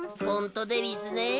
ホントでうぃすね。